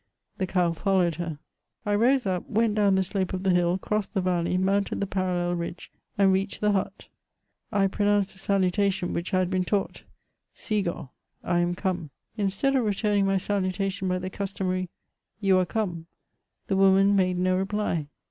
The cow followed her. I rose up, went down the slope of the hill, crossed the valley, mounted the parallel ridge, and reached the hut. I pronounced the salutation, which I had heen taught : '^si^^oA'' (I am come) ; instead of returning my salutation hy the cus tomary "yow are come,'' the woman made no reply.